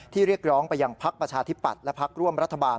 เรียกร้องไปยังพักประชาธิปัตย์และพักร่วมรัฐบาล